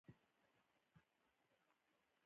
د افغانستان په زړه کې د کابل ښکلی ښار شتون لري.